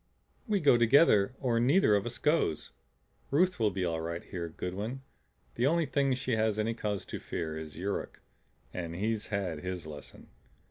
"We go together or neither of us goes. Ruth will be all right here, Goodwin. The only thing she has any cause to fear is Yuruk and he's had his lesson.